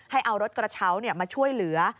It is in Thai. ให้เอารถกระเช้ามาช่วยเหลือ